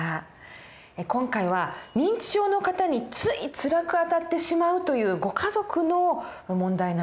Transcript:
今回は認知症の方についつらくあたってしまうというご家族の問題なんですけれども。